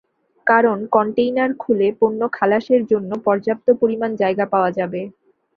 কারণ কনটেইনার খুলে পণ্য খালাসের জন্য পর্যাপ্ত পরিমাণ জায়গা পাওয়া যাবে।